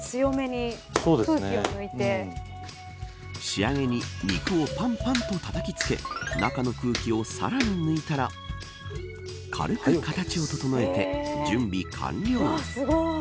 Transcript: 仕上げに肉をパンパンと叩きつけ中の空気をさらに抜いたら軽く形を整えて準備完了。